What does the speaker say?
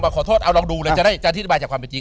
ขอโทษเอาลองดูเลยจะได้จะอธิบายจากความเป็นจริง